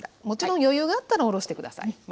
もちろん余裕があったらおろして下さい。